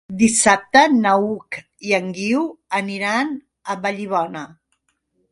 Dissabte n'Hug i en Guiu aniran a Vallibona.